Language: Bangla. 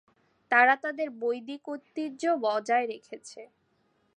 তারা তাদের বৈদিক ঐতিহ্য বজায় রেখেছে।